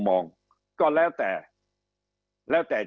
คำอภิปรายของสอสอพักเก้าไกลคนหนึ่ง